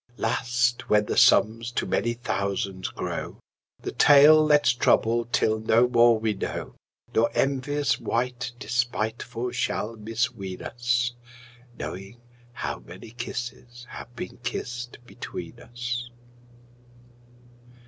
Last when the sums to many thousands grow, 10 The tale let's trouble till no more we know, Nor envious wight despiteful shall misween us Knowing how many kisses have been kissed between us.